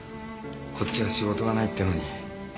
こっちは仕事がないってのに。